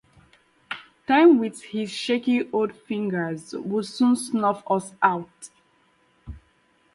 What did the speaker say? Time with his shaky old fingers will soon snuff us out.